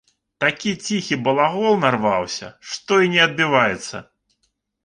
Такі ціхі балагол нарваўся, што і не адбіваецца.